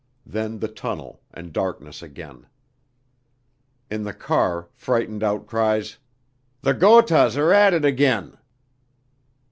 Then the tunnel and darkness again. In the car frightened outcries: "The Gothas are at it again!"